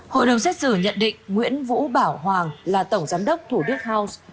hội đồng xét xử nhận định nguyễn vũ bảo hoàng là tổng giám đốc thủ đức house